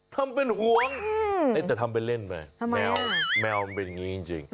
ทำเป็นหวงแต่ทำเป็นเล่นไม่